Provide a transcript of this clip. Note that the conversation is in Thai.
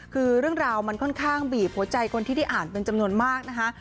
คือเรื่องราวมันค่อนข้างบีบหัวใจคนที่ได้อ่านเป็นจำนวนมากนะคะ